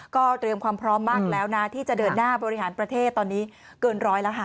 ก็เตรียมความพร้อมมากแล้วนะที่จะเดินหน้าบริหารประเทศตอนนี้เกินร้อยแล้วค่ะ